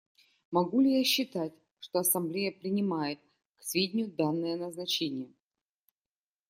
Могу ли я считать, что Ассамблея принимает к сведению данное назначение?